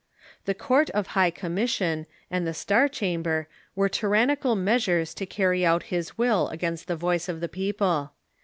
The Court of High Commission and the Star Cham ber were tyrannical measures to carry out his will against the voice of the people.